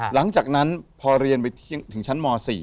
หลังจากนั้นพอเรียนไปถึงชั้นม๔